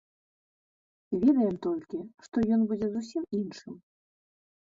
Ведаем толькі, што ён будзе зусім іншым.